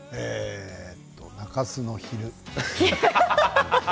「中洲の昼」。